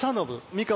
三河